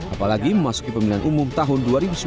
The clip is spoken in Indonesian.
apalagi memasuki pemilihan umum tahun dua ribu sembilan belas